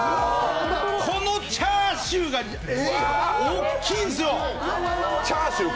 このチャーシューがおっきいんですよ！